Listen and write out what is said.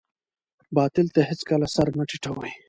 باطل ته هېڅکله سر مه ټیټوئ.